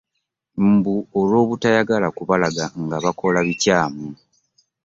Mbu olw'obutayagala kubalaga nga bakola ebikyamu.